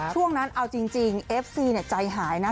ช่วงนั้นเอาจริงเอฟซีใจหายนะ